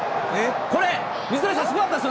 これ、水谷さん、すごかったです